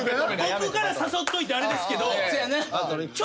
僕から誘っといてあれですけど。